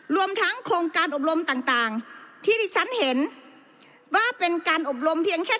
รวมทั้งโครงการอบรมต่างที่ดิฉันเห็นว่าเป็นการอบรมเพียงแค่